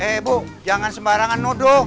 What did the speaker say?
eh bu jangan sembarangan nodo